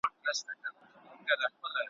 ته یوازی تنها نه یې ,